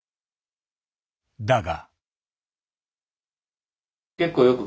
だが。